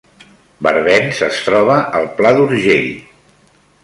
Barbens es troba al Pla d’Urgell